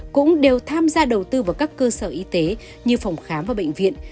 cũng đều tham gia đầu tư vào các cơ sở y tế như phòng khám và bệnh viện